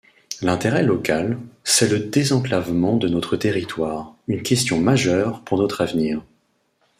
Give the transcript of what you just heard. L’intérêt local, c’est le désenclavement de notre territoire, une question majeure pour notre avenir.